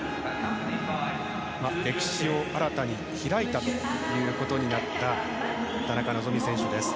歴史を新たに開いたということになった田中希実選手です。